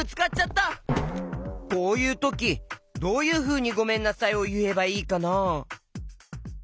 こういうときどういうふうに「ごめんなさい」をいえばいいかな？